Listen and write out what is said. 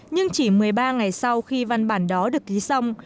nhưng chỉ một mươi ba ngày sau khi văn bản đó được ký xong